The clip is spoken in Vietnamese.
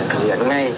thực hiện ngay